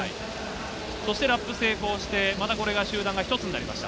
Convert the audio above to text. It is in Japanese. そしてラップ成功して、またこれが集団が一つになりました。